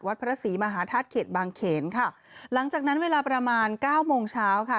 พระศรีมหาธาตุเขตบางเขนค่ะหลังจากนั้นเวลาประมาณเก้าโมงเช้าค่ะ